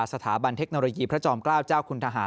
สถาบันเทคโนโลยีพระจอมเกล้าเจ้าคุณทหาร